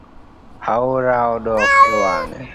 Aora odok ewange